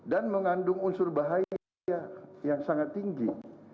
dan mengandung unsur bahaya yang sangat tinggi